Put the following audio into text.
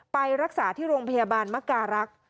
ไปรักษาที่โรงพยาบาลมการรักษ์